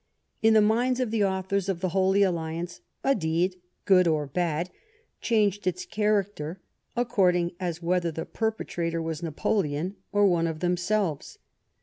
In the minds of the authors of the Holy Alliance a deed, good or bad, changed its <:haracter according as whether the perpetrator was Napoleon or one of themselves.